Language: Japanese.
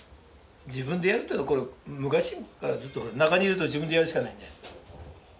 自分でやるっていうのは昔からずっと中にいると自分でやるしかないんだよ。